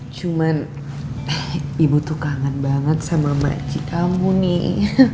cuman ibu tuh kangen banget sama makcik kamu nih